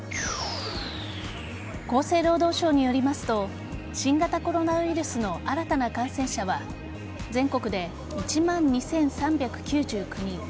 厚生労働省によりますと新型コロナウイルスの新たな感染者は全国で１万２３９９人